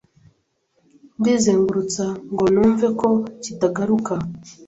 ndizengurutsa ngo numve ko kitagaruka